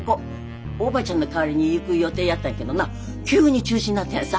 おばあちゃんの代わりに行く予定やったんやけどな急に中止になったんやさ。